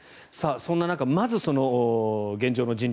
そんな中、まずその現状の人流